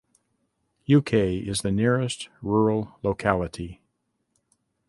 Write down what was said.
Uk is the nearest rural locality.